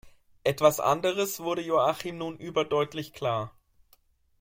Etwas anderes wurde Joachim nun überdeutlich klar.